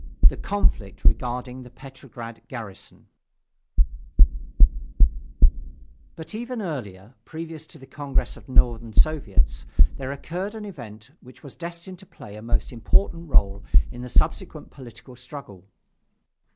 THE CONFLICT REGARDING THE PETROGRAD GARRISON But even earlier, previous to the Congress of Northern Soviets, there occurred an event which was destined to play a most important role in the subsequent political struggle.